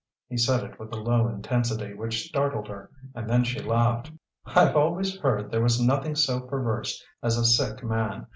he said it with a low intensity which startled her, and then she laughed. "I've always heard there was nothing so perverse as a sick man.